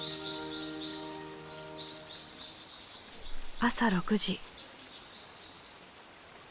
朝６時。